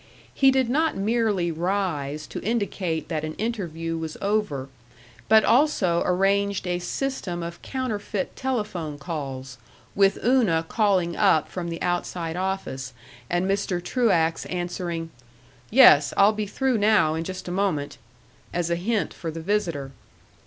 He did not merely rise to indicate that an interview was over, but also arranged a system of counterfeit telephone calls, with Una calling up from the outside office, and Mr. Truax answering, "Yes, I'll be through now in just a moment," as a hint for the visitor.